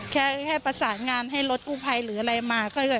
แค่ประสานงานให้รถกู้ภัยหรืออะไรมาค่อย